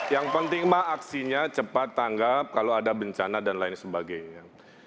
yang penting mbak aksinya cepat tanggap kalau ada bencana dan lain sebagainya